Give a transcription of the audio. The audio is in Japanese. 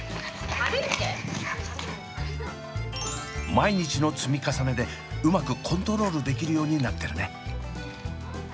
毎日の積み重ねでうまくコントロールできるようになってるね。